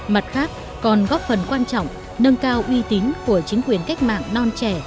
mặt khác còn góp phần quan trọng nâng cao uy tín của chính quyền cách mạng non trẻ